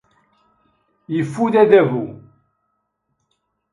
Yeffud adabu.